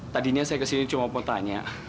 tadinya saya kesini cuma mau tanya